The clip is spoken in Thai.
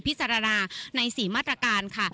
พิจารณาใน๔มาตรการค่ะ